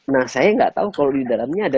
nah saya nggak tahu kalau di dalamnya ada